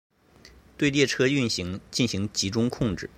对列车运行进行集中控制。